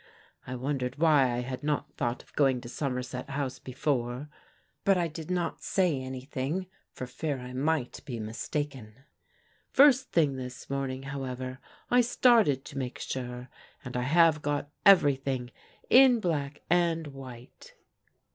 I wondered why I had not thought of going to Somerset House before: but I did not say anything for fear I might be mistaken. First thing this morning, however, I started to make sure, and I have got everything in black and white."